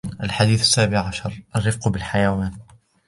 الحديث السابع عشر: الرفق بالحيوان